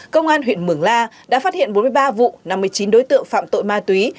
công an huyện mường la đã phát hiện bốn mươi ba vụ năm mươi chín đối tượng phạm tội ma túy